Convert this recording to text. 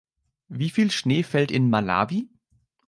Wie viel Schnee fällt in Malawi?